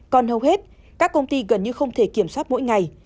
còn hầu hết các công ty gần như không thể kiểm soát mỗi ngày